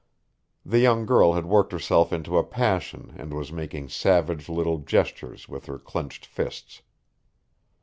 The young girl had worked herself into a passion and was making savage little gestures with her clenched fists.